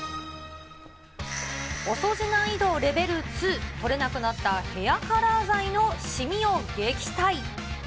お掃除難易度レベル２、取れなくなったヘアカラー剤のしみを撃退。